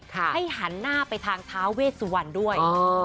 ให้หันหน้าไปทางท้าเวสวรรณด้วย